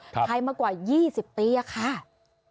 ใช้มากว่า๒๐ปีครับ